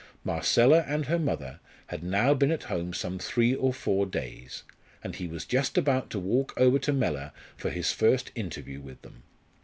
Marcella and her mother had now been at home some three or four days, and he was just about to walk over to Mellor for his first interview with them.